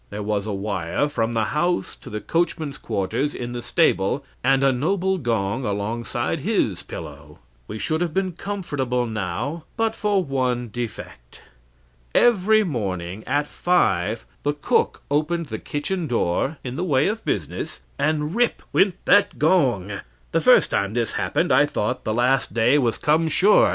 There was a wire from the house to the coachman's quarters in the stable, and a noble gong alongside his pillow. "We should have been comfortable now but for one defect. Every morning at five the cook opened the kitchen door, in the way of business, and rip went that gong! The first time this happened I thought the last day was come sure.